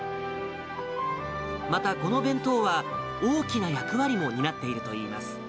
またこの弁当は、大きな役割も担っているといいます。